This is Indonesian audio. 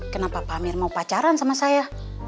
kenapa pak amir mau pacaran sama saya